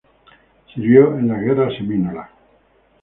Sirvió en las Guerras Seminola.